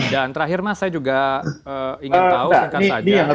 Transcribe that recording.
dan terakhir mas saya juga ingin tahu singkat saja